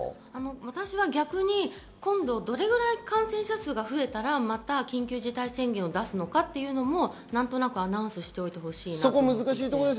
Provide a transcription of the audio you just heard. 私は逆に今度どれくらい感染者数が増えたら、また緊急事態宣言を出すのかというのもアナウンスしてほしいと思います。